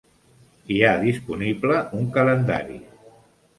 Hi ha disponible un calendari.